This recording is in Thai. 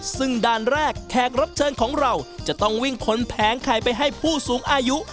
ซึ่งด้านแรกแขกรับเชิญของเราจะต้องวิ่งขนแผงไข่ไปให้ผู้สูงอายุ